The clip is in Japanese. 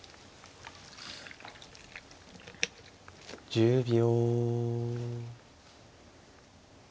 １０秒。